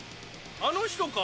あの人か？